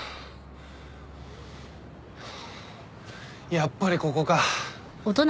やっぱりここか。